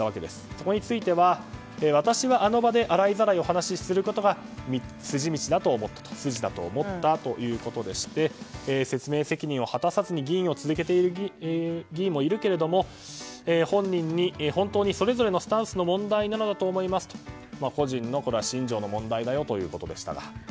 そこについては、私はあの場で洗いざらいお話をすることが筋だと思ったということで説明責任を果たさずに議員を続けている議員もいるけれども本当にそれぞれのスタンスの問題だと思うと個人の信条の問題だよということでしたが。